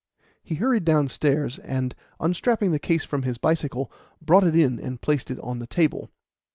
He hurried downstairs, and, unstrapping the case from his bicycle, brought it in and placed it on the table.